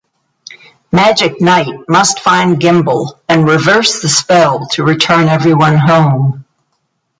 Magic Knight must find Gimbal and reverse the spell to return everyone home.